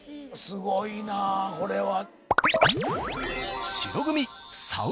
すごいなこれは。